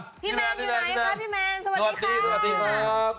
พี่แมนอยู่ไหนคะพี่แมนสวัสดีค่ะ